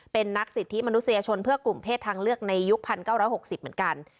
เป็นนักสิทธิมนุษยชนเพื่อกลุ่มเพศทางเลือกในยุค๑๙๖๐เหมือนกัน